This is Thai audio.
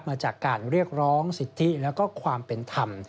มาจากการเรียกร้องสิทธิแล้วก็ความเป็นธรรม